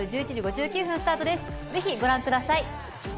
ぜひご覧ください。